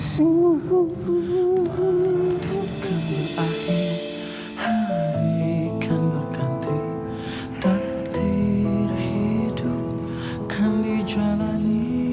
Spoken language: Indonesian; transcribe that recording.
silahkan ditanda tangan